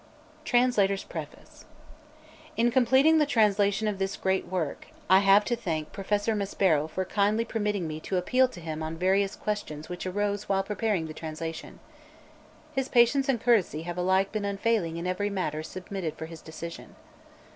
SAYCE. TRANSLATOR'S PREFACE In completing the translation of this great work, I have to thank Professor Maspero for kindly permitting me to appeal to him on various questions which arose while preparing the translation. His patience and courtesy have alike been unfailing in every matter submitted for his decision.